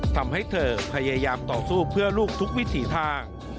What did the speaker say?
ทำให้เธอพยายามต่อสู้เพื่อลูกทุกวิถีทาง